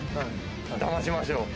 ダマしましょう。